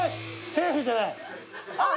セーフじゃない。